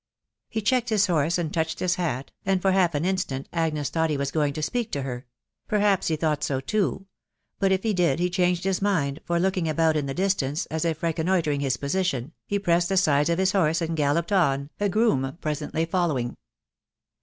He .checked his horse, and touched his hat, and for half an instant Agnes thought he was going to speak to her : perhaps he thought so too.; but if he did, he changed his mind, for looking about in the distance, as if reconnoitring his position, he pressed the sides of his horse and gallooed on, a groom presently ^following.